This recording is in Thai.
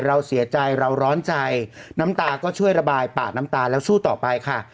เราเสียใจเราร้อนใจน้ำตาก็ช่วยระบายปาดน้ำตาแล้วสู้ต่อไปค่ะ